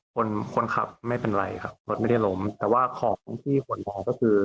คนขับไม่เป็นไรครับรถไม่ได้ล้มแต่ว่าของที่ขนพอก็คือ